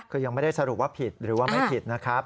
คือยังไม่ได้สรุปว่าผิดหรือว่าไม่ผิดนะครับ